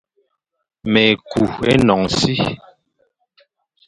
Ma yi kù énon e si.